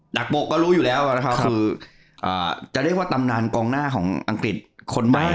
ักโปะก็รู้อยู่แล้วนะครับคือจะเรียกว่าตำนานกองหน้าของอังกฤษคนใหม่